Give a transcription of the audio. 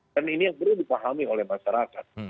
ini yang perlu dipahami oleh masyarakat